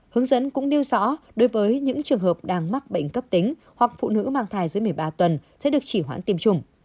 hướng dẫn cũng nêu rõ đối với những trường hợp đang mắc bệnh cấp tính hoặc phụ nữ mang thai dưới một mươi ba tuần sẽ được chỉ hoãn tiêm chủng